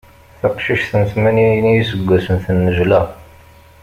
Taqcict n tmanya n yiseggasen tennejla.